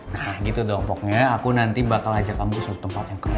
nah gitu dong pokoknya aku nanti bakal ajak kamu ke suatu tempat yang kreatif